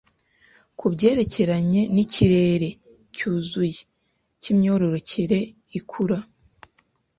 kubyerekeranye nikirere cyuzuye cyimyororokere ikura,